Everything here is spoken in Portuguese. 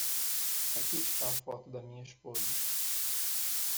Aqui está a foto da minha esposa.